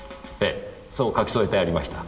ええそう書き添えてありました。